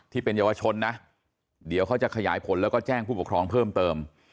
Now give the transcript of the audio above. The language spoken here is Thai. ที่เป็นเยาวชนนะเดี๋ยวเขาจะขยายผลแล้วก็แจ้งผู้ปกครองเพิ่มเติม